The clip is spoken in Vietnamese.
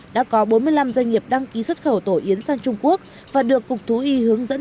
đã có bốn mươi năm doanh nghiệp đăng ký xuất khẩu tổ yến sang trung quốc và được cục thú y hướng dẫn